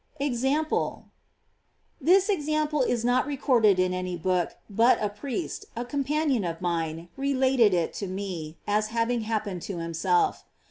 EXAMPLE. This example is not recorded in any book, but a priest, a companion of mine, related it to me, as having happened to himself.